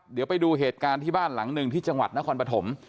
เดี๋ยวไปดูเหตุการณ์ที่บ้านหลังหนึ่งที่จังหวัดนครปฐม